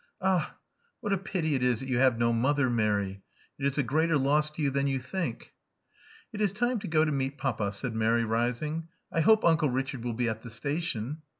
Ah, what a pity it is that you have no mother, Mary! It is a greater loss to you than you think." ••It is time to go to meet papa," said Mary, rising. ••I hope Uncle Richard will be at the station."